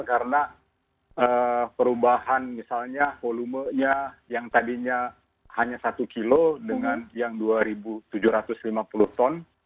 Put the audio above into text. karena perubahan misalnya volumenya yang tadinya hanya satu kilo dengan yang dua tujuh ratus lima puluh ton